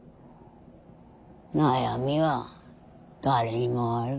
悩みは誰にもある。